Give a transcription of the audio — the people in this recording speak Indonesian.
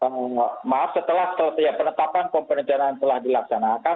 maaf setelah penetapan komponen cadangan telah dilaksanakan